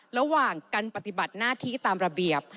ระหว่างการปฏิบัติหน้าที่ตามระเบียบ